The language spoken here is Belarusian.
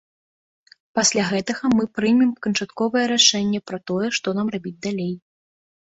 Пасля гэтага мы прымем канчатковае рашэнне пра тое, што нам рабіць далей.